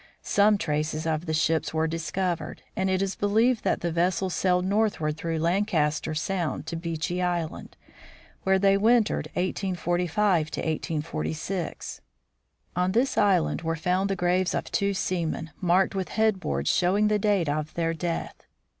Some traces of the ships were discovered, and it is believed that the vessels sailed northward through Lancaster sound to Beechey island, In Winter Quarters. where they wintered (1 845 1 846). On this island were found the graves of two seamen marked with headboards showing the date of their death.